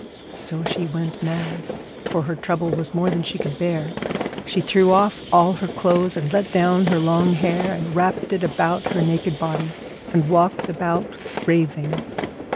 So she went mad, for her trouble was more than she could bear. She threw off all her clothes, and let down her long hair and wrapped it about her naked body, and walked about raving.